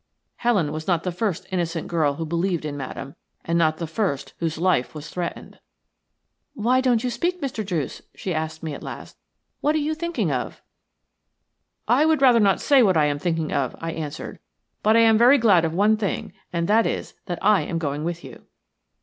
Helen was not the first innocent girl who believed in Madame, and not the first whose life was threatened. "Why don't you speak, Mr. Druce?" she asked me at last. "What are you thinking of?" "I would rather not say what I am thinking of," I answered; "but I am very glad of one thing, and that is that I am going with you."